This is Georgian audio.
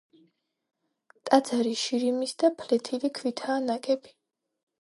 ტაძარი შირიმის და ფლეთილი ქვითაა ნაგები.